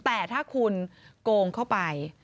แต่ถ้าคุณโกงเข้าไป